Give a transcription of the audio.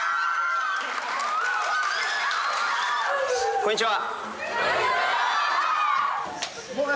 こんにちは！